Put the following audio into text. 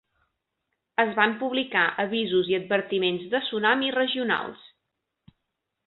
Es van publicar avisos i advertiments de tsunami regionals.